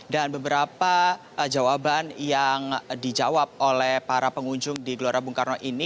dan beberapa jawaban yang dijawab oleh para pengunjung di glora bung karno ini